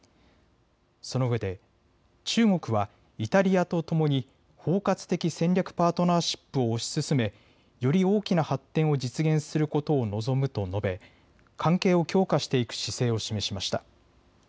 そのうえで中国はイタリアとともに包括的戦略パートナーシップを推し進めより大きな発展を実現することを望むと述べ関係を強化していく姿勢を示しました。